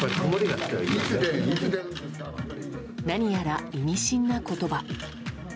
何やら意味深な言葉。